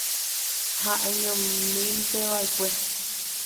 Ha'eñomínteva'ekue.